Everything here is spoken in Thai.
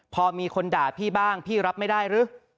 พอมีคนด่าพี่บ้างพี่รับไม่ได้หรือ